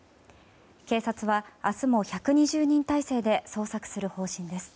警察は明日も１２０人態勢で捜索する方針です。